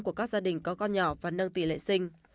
của các gia đình có con nhỏ và nâng tỷ lệ sinh